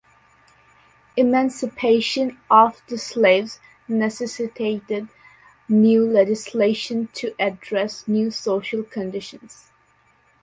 Emancipation of the slaves necessitated new legislation to address new social conditions.